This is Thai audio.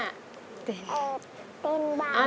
เอ่ยเต้นบ้าง